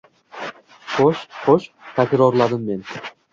Xoʻsh, xoʻsh, – takrorladim men.